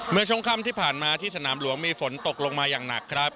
เมื่อช่วงค่ำที่ผ่านมาที่สนามหลวงมีฝนตกลงมาอย่างหนักครับ